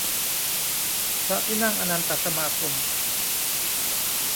พระที่นั่งอนันตสมาคม